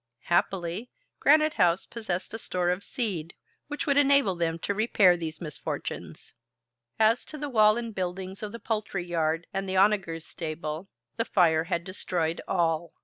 Happily, Granite House possessed a store of seed which would enable them to repair these misfortunes. As to the wall and buildings of the poultry yard and the onagers stable, the fire had destroyed all.